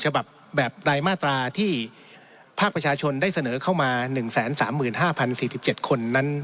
ฉบับแบบรายมาตราที่ภาคประชาชนได้เสนอเข้ามา๑๓๕๐๔๗คนนั้น